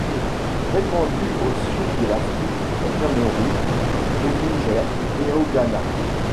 Répandue au sud de l'Afrique, au Cameroun, au Niger et au Ghana.